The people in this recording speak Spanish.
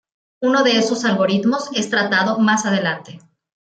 Uno de esos algoritmos es tratado más adelante.